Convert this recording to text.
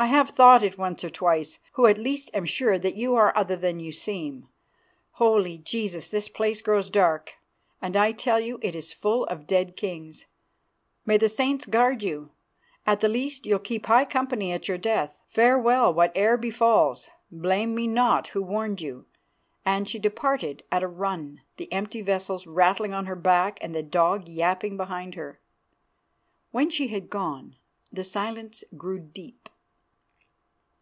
I have thought it once or twice, who at least am sure that you are other than you seem. Holy Jesus! this place grows dark, and I tell you it is full of dead kings. May the Saints guard you; at the least, you'll keep high company at your death. Farewell; whate'er befalls, blame me not who warned you," and she departed at a run, the empty vessels rattling on her back and the dog yapping behind her. When she had gone the silence grew deep.